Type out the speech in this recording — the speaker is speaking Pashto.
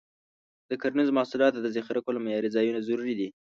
د کرنیزو محصولاتو د ذخیره کولو معیاري ځایونه ضروري دي.